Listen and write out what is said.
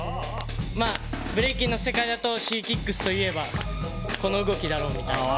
ブレイキンの世界だとＳｈｉｇｅｋｉｘといえばこの動きだろうみたいな。